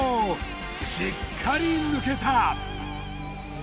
しっかり抜けた！